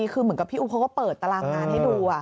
คือเหมือนกับพี่อุ๊บเขาก็เปิดตารางงานให้ดู